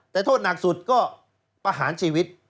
แต่โทษหนักสุดก็ประหารชีวิต